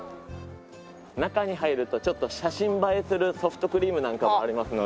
中に入るとちょっと写真映えするソフトクリームなんかもありますので。